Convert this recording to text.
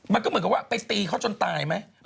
มันก็เหมือนกับว่าไปตีเขาจนตายไหม